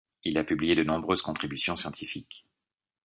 Il a publié de nombreuses contributions scientifiques.